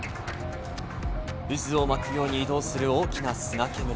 渦を巻くように移動する大きな砂煙。